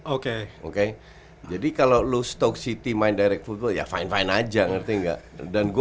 oke oke jadi kalau lu stoke city main direct football ya fine fine aja ngerti nggak dan gua